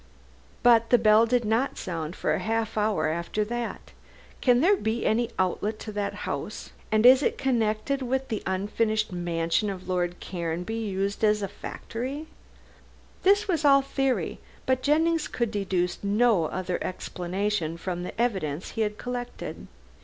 But the bell did not sound for half an hour later. Can there be any outlet to that house, and is it connected with the unfinished mansion of Lord Caranby, used as a factory?" This was all theory, but Jennings could deduce no other explanation from the evidence he had collected.